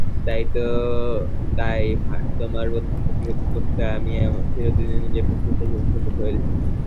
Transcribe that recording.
তাই তোমার বন্ধুত্বকে রক্ষা করতে গিয়ে আমি চিরদিনই নিজের প্রকৃতিকে খর্ব করে এসেছি।